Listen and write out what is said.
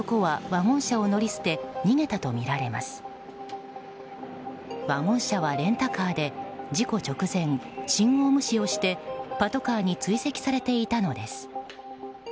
ワゴン車はレンタカーで事故直前、信号無視をしてパトカーに追跡されていたのです。